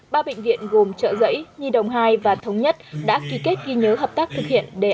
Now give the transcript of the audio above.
ba bệnh viện gồm chợ rẫy nhi đồng hai và thống nhất đã ký kết ghi nhớ hợp tác thực hiện đề